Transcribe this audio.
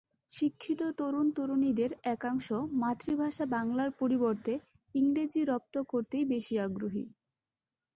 শিক্ষিত তরুণ-তরুণীদের একাংশ মাতৃভাষা বাংলার পরিবর্তে ইংরেজি রপ্ত করতেই বেশি আগ্রহী।